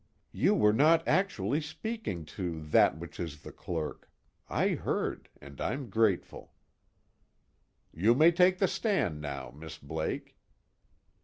You were not actually speaking to that which is the Clerk I heard and I'm grateful. "You may take the stand now, Miss Blake."